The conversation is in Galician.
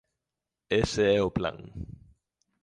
Ese é o plan.